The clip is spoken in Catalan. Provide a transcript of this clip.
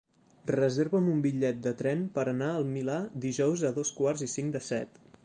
Reserva'm un bitllet de tren per anar al Milà dijous a dos quarts i cinc de set.